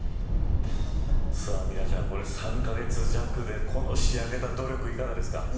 さあミラちゃん、３カ月弱でこの仕上げだ努力いかがですか。